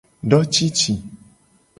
Do cici :